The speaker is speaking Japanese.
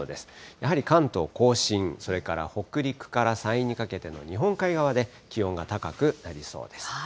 やはり関東甲信、それから北陸から山陰にかけての日本海側で気温が高くなりそうです。